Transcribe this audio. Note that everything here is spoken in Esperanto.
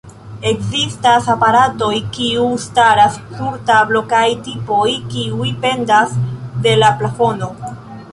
Ekzistas aparatoj kiu staras sur tablo kaj tipoj kiuj pendas de la plafono.